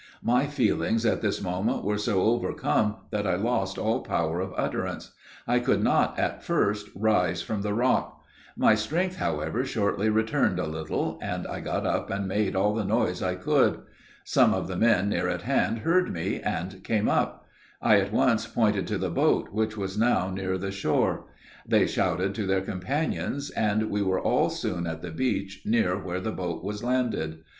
My feelings at this moment were so overcome that I lost all power of utterance. I could not, at first, rise from the rock, My strength, however, shortly returned a little, and I got up and made all the noise I could. Some of the men near at hand heard me, and came up. I at once pointed to the boat, which was now near the shore. They shouted to their companions, and we were all soon at the beach near where the boat was landed.